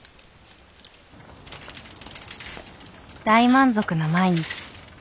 大満足な毎日。